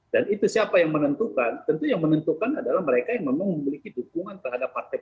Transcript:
dan itu siapa yang menentukan tentu yang menentukan adalah mereka yang memiliki dukungan terhadap partai